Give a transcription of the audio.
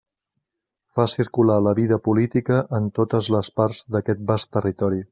Fa circular la vida política en totes les parts d'aquest vast territori.